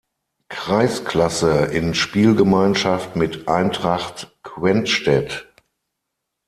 Kreisklasse in Spielgemeinschaft mit Eintracht Quenstedt.